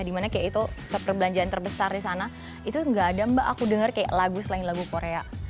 dimana kayak itu perbelanjaan terbesar di sana itu nggak ada mbak aku dengar kayak lagu selain lagu korea